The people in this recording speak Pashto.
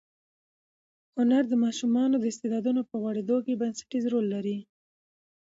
هنر د ماشومانو د استعدادونو په غوړېدو کې بنسټیز رول لري.